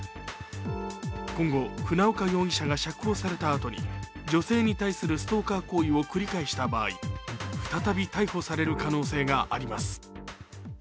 今後、船岡容疑者が釈放されたあとに女性に対するストーカー行為を繰り返した場合再び逮捕される可能性があります。